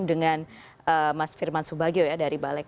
dengan mas firman subagio ya dari balik